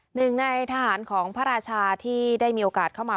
หนึ่งในทหารของพระราชาที่ได้มีโอกาสเข้ามา